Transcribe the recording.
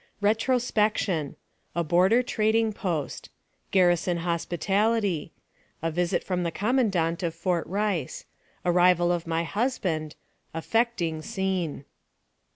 RETROSPECTION A BORDER TRADING POST GARRISON HOSPITALITY A VISIT FROM THE COMMANDANT OF FORT RICE ARRIVAL OF MT HUSBAND AFFECTING SCENE.